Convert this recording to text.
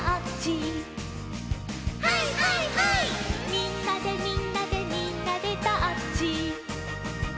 「みんなでみんなでみんなでタッチ」